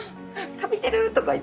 「カビてる」とか言って。